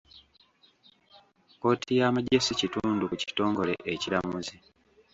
Kkooti yamajje si kitundu ku kitongole ekiramuzi.